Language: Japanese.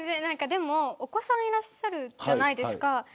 でも、お子さんがいらっしゃるじゃないですか。